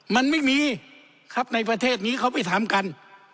มันไม่มีครับในประเทศนี้เขาไปทำกัน